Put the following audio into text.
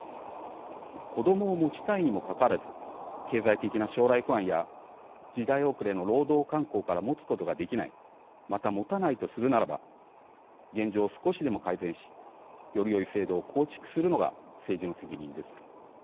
子どもを持ちたいにもかかわらず経済的な将来不安や時代遅れの労働慣行から持つことができないまた持たないとするならば現状を少しでも改善しよりよい制度を構築するのが政治の責任です。